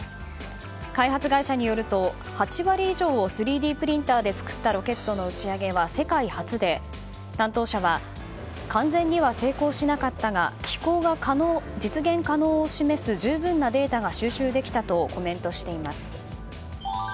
開発会社によると、８割以上を３Ｄプリンターで作ったロケットの打ち上げは世界初で担当者は完全には成功しなかったが飛行が実現可能を示す十分なデータが収集できたとコメントしています。